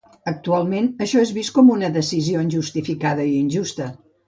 Actualment, això és vist com una decisió injustificada i injusta.